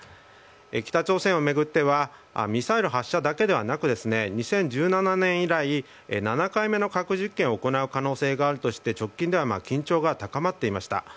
北朝鮮をめぐってはミサイル発射だけでなく２０１７年以来７回目の核実験を行う可能性があるとして直近では緊張が高まっていました。